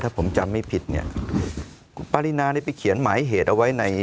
ถ้าผมจำไม่ผิดเนี่ยปรินานี่ไปเขียนหมายเหตุเอาไว้ใน